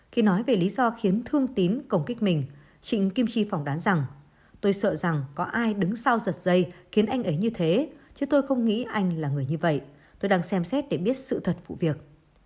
khi nói về lý do khiến thương tín cổng kích mình trịnh kim chi phỏng đoán rằng tôi sợ rằng có ai đứng sau giật dây khiến anh ấy như thế chứ tôi không nghĩ anh là người như vậy tôi đang xem xét để biết sự thật vụ việc